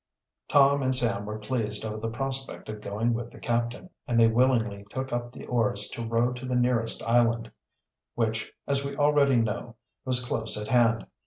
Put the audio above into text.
Tom and Sam were pleased over the prospect of going with the captain and they willingly took up the oars to row to the nearest island, which, as we already know, was close at hand.